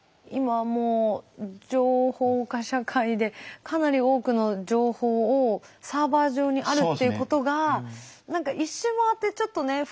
今はもう情報化社会でかなり多くの情報をサーバー上にあるっていうことが一周回ってちょっとね